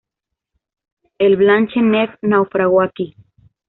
El "Blanche-Nef" naufragó aquí.